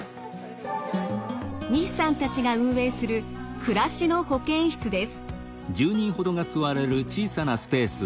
西さんたちが運営する「暮らしの保健室」です。